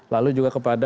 lalu juga kepada